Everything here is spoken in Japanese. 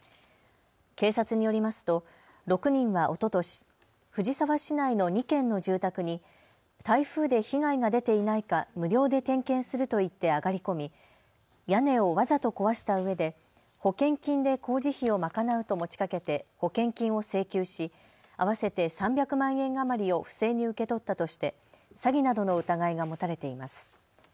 警察によりますと６人はおととし藤沢市内の２軒の住宅に台風で被害が出ていないか無料で点検すると言って上がり込み屋根をわざと壊したうえで保険金で工事費を賄うと持ちかけて保険金を請求し合わせて３００万円余りを不正に受け取ったとして詐欺などの疑いが持たれています。